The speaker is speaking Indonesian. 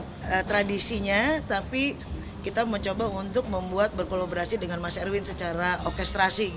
kita mencoba untuk membuat tradisinya tapi kita mencoba untuk membuat berkolaborasi dengan mas erwin secara orkestrasi